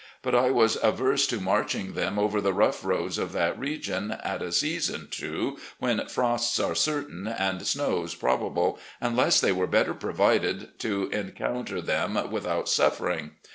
But I was averse to marching them over the rough roads of that region, at a season, too, when frosts are certain and snows probable, unless they were better provided to encounter them without suffering.